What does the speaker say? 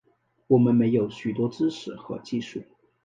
我们没有许多知识和技术